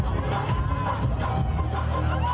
กลับกันได้เลยครับ